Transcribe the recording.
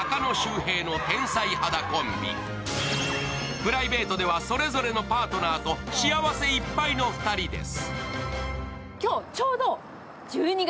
プライベートではそれぞれのパートナーと幸せいっぱいの２人です